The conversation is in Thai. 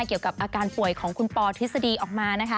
เกี่ยวกับอาการป่วยของคุณปอร์เทศดีออกมา